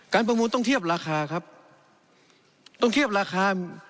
ประมูลต้องเทียบราคาครับต้องเทียบราคา